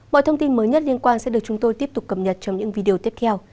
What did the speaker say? mọi thông tin mới nhất liên quan sẽ được chúng tôi tiếp tục cập nhật trong những video tiếp theo